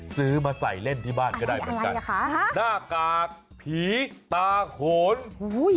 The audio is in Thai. ซื้อมาใส่เล่นที่บ้านก็ได้เหมือนกันหน้ากากผีตาโขนอุ้ย